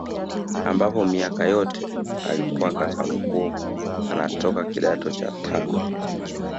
Ambapo miaka yote alikuwa kaka mkuu anatoka kidato cha tano